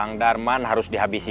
kang darman harus dihabisin